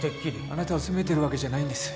あなたを責めてるわけじゃないんです。